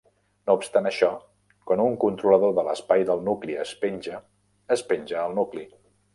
No obstant això, quan un controlador de l'espai del nucli es penja, es penja el nucli.